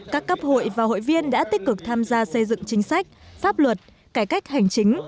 các cấp hội và hội viên đã tích cực tham gia xây dựng chính sách pháp luật cải cách hành chính